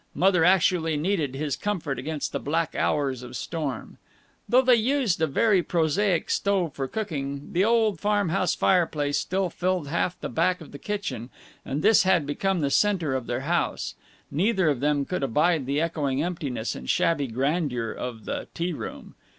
Mother actually needed his comfort against the black hours of storm! Though they used a very prosaic stove for cooking, the old farm house fireplace still filled half the back of the kitchen, and this had become the center of their house. Neither of them could abide the echoing emptiness and shabby grandeur of the tea room.